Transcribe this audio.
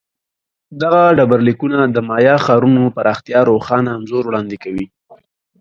دغه ډبرلیکونه د مایا ښارونو پراختیا روښانه انځور وړاندې کوي